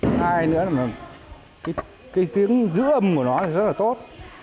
thứ hai nữa là cái tiếng dư âm của nó rất là tốt